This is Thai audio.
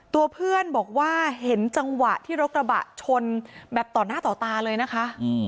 ตัวเพื่อนบอกว่าเห็นจังหวะที่รถกระบะชนแบบต่อหน้าต่อตาเลยนะคะ